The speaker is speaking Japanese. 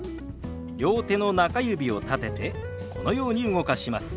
両手の中指を立ててこのように動かします。